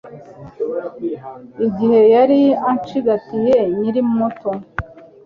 Igihe yari ancigatiye nyiri muto